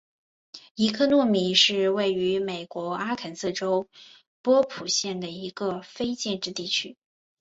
伊科诺米是位于美国阿肯色州波普县的一个非建制地区。